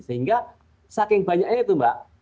sehingga saking banyaknya itu mbak